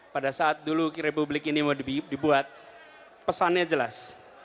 pada saat dulu republik ini mau dibuat pesannya jelas